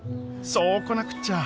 そうこなくっちゃ！